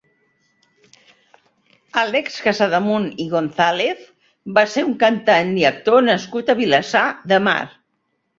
Àlex Casademunt i González va ser un cantant i actor nascut a Vilassar de Mar.